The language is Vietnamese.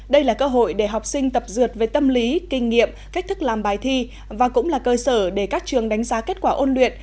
đây là cơ hội để học sinh tập dượt về tâm lý kinh nghiệm cách thức làm bài thi và cũng là cơ sở để các trường đánh giá kết quả ôn luyện